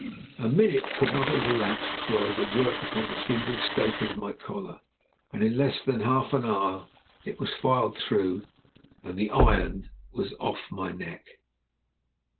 A minute could not have elapsed before I was at work upon the staple of my collar, and in less than half an hour it was filed through and the iron was off my neck.